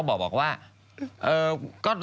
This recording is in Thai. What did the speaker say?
แบ่งคนละห้าสิบตังค์